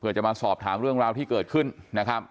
เพื่อจะมาสอบถามเรื่องราวที่เกิดขึ้นนะครับ